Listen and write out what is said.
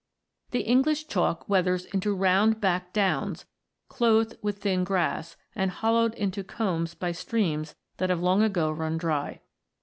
The English Chalk weathers into round backed downs, clothed with thin grass, and hollowed into combes by streams that have long ago run dry.